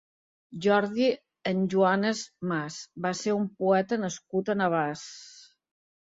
Jordi Enjuanes-Mas va ser un poeta nascut a Navars.